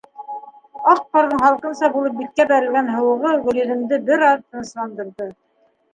Аҡ ҡарҙың һалҡынса булып биткә бәрелгән һыуығы Гөлйөҙөмдө бер аҙ тынысландырҙы.